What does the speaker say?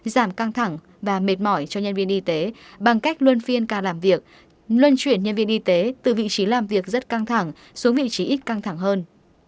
giảm căng thẳng và mệt mỏi cho nhân viên y tế bằng cách luân phiên ca làm việc luân chuyển nhân viên y tế từ vị trí làm việc rất căng thẳng xuống vị trí ít căng thẳng hơn